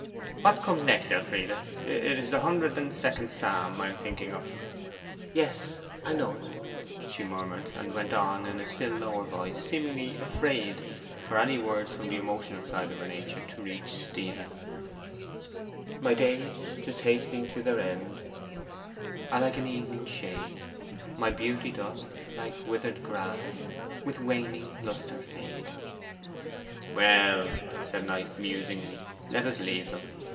What comes next, Elfride? It is the Hundred and second Psalm I am thinking of.' 'Yes, I know it,' she murmured, and went on in a still lower voice, seemingly afraid for any words from the emotional side of her nature to reach Stephen: '"My days, just hastening to their end, Are like an evening shade; My beauty doth, like wither'd grass, With waning lustre fade."' 'Well,' said Knight musingly, 'let us leave them.